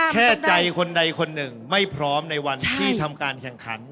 แค่ใจคนใดคนหนึ่งไม่พร้อมในวันที่ทำการแข่งขัน